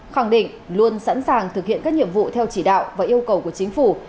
khẳng định luôn sẵn sàng thực hiện các nhiệm vụ theo chỉ đạo và yêu cầu của chính phủ